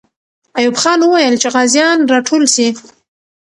ایوب خان وویل چې غازیان راټول سي.